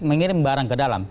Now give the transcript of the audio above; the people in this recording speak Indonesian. mengirim barang ke dalam